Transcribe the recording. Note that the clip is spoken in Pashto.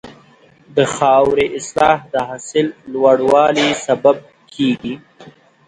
د خاورې اصلاح د حاصل لوړوالي سبب کېږي.